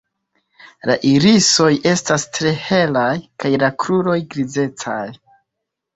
La irisoj estas tre helaj kaj la kruroj grizecaj.